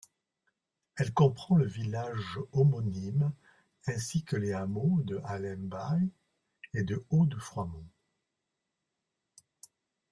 Elle comprend le village homonyme ainsi que les hameaux de Hallembaye et de Hauts-de-Froidmont.